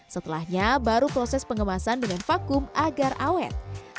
setelahnya baru proses pengemasan dengan vakum agar awet